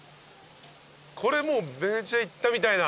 これもうベネチア行ったみたいな。